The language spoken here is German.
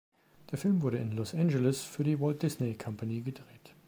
Der Film wurde in Los Angeles für die Walt Disney Company gedreht.